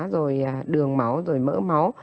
rồi đường máu rồi mỡ máu